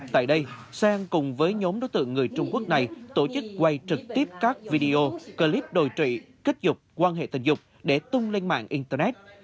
tại đây sang cùng với nhóm đối tượng người trung quốc này tổ chức quay trực tiếp các video clip đồi trụy kích dục quan hệ tình dục để tung lên mạng internet